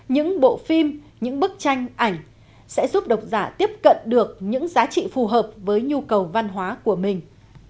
những bộ phim những bức tranh ảnh sẽ giúp độc giả tiếp cận được những giá trị phù hợp với nhu cầu văn hóa của mình